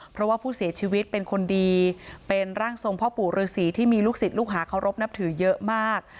เพราะว่าผู้เสียชีวิตเป็นคนดีเป็นร่างทรงพ่อปู่ฤษีที่มีลูกศิษย์ลูกหาเคารพนับถือเยอะมาก